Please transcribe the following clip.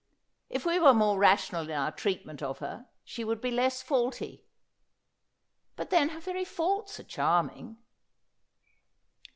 If we were more rational in our treat ment of her, she would be less faulty. But then her very faults are charming.'